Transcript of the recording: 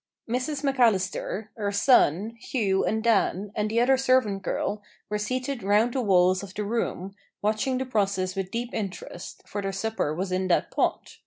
Mrs McAllister, her son, Hugh and Dan, and the other servant girl, were seated round the walls of the room, watching the process with deep interest, for their supper was in that pot.